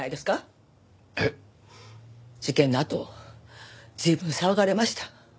えっ？事件のあと随分騒がれました。